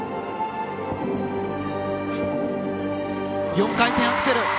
４回転アクセル。